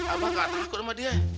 abah gak takut sama dia